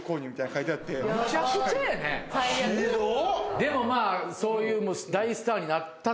でもまあそういう。